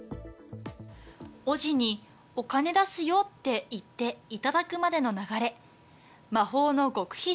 おぢにお金出すよって言って頂くまでの流れ。